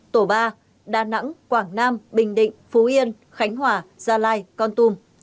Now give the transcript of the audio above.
tổ ba đà nẵng quảng nam bình định phú yên khánh hòa gia lai con tum